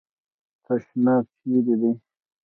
تشناب چیري دی ؟